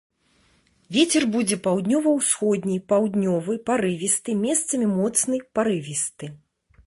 Вецер будзе паўднёва-ўсходні, паўднёвы парывісты, месцамі моцны парывісты.